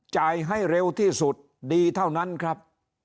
จ่ายให้เร็วที่สุดดีเท่านั้นครับ